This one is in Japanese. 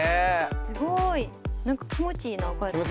すごい！何か気持ちいいなこうやって。